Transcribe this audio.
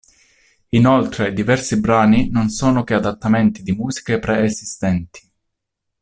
Inoltre diversi brani non sono che adattamenti di musiche preesistenti.